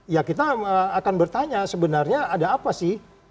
ya kita akan bertanya sebenarnya ada apa sih